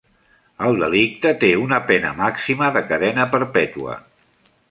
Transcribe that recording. El delicte té una pena màxima de cadena perpetua.